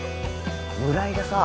村井がさ